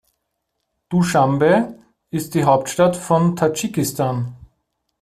Duschanbe ist die Hauptstadt von Tadschikistan.